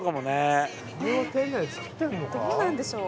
どうなんでしょう？